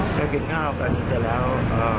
กินข้าวกันเดี๋ยวแล้วอ๋อ